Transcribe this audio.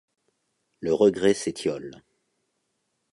Le regret s’étiole.